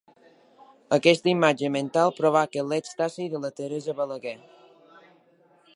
Aquesta imatge mental provoca l'èxtasi de la Teresa Balaguer.